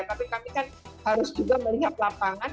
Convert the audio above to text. tapi kami kan harus juga melihat lapangan